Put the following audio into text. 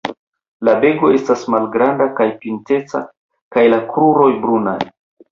La beko estas malgranda kaj pinteca kaj la kruroj brunaj.